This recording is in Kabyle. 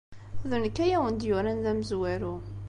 D nekk ay awen-d-yuran d amezwaru.